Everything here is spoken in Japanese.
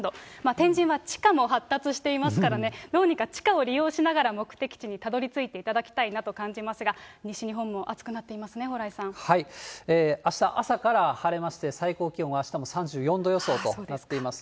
天神は地下も発達していますからね、どうにか地下を利用しながら、目的地にたどり着いていただきたいなと感じますが、西日本も暑くあした、朝から晴れまして、最高気温はあしたも３４度予想となっています。